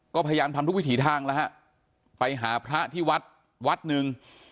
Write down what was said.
ก็พยายามทำทุกวิถีทางแล้วฮะไปหาพระที่วัดวัดหนึ่ง